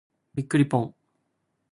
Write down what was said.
びっくりぽん。